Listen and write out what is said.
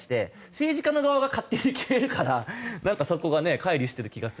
政治家の側が勝手に決めるからなんかそこがね乖離してる気がするんですけど。